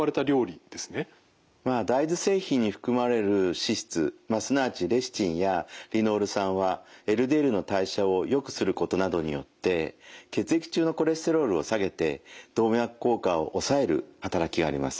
大豆製品に含まれる脂質すなわちレシチンやリノール酸はＬＤＬの代謝をよくすることなどによって血液中のコレステロールを下げて動脈硬化を抑える働きがあります。